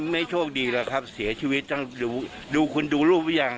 ไม่โชคดีหรอกครับเสียชีวิตต้องดูคุณดูรูปหรือยัง